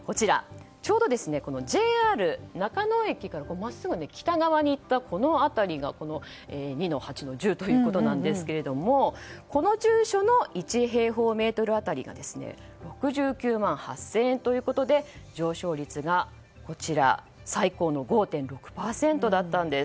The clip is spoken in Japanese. ちょうどＪＲ中野駅から真っすぐ北側に行ったこの辺りが２−８−１０ということですがこの住所の１平方メートル当たりが６９万８０００円ということで上昇率が最高の５．６％でした。